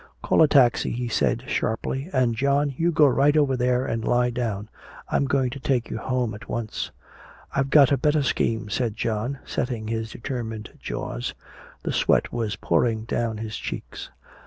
"Call a taxi," he said sharply. "And, John, you go right over there and lie down. I'm going to take you home at once!" "I've got a better scheme," said John, setting his determined jaws. The sweat was pouring down his cheeks.